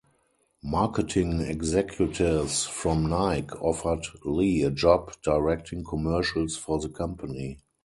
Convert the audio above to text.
Marketing executives from Nike offered Lee a job directing commercials for the company.